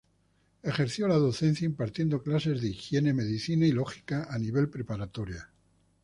Ejerció la docencia impartiendo clases de higiene, medicina y lógica a nivel preparatoria.